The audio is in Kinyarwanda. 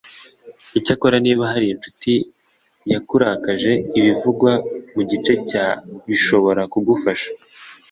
Icyakora niba hari incuti yakurakaje ibivugwa mu Gice cya bishobora kugufasha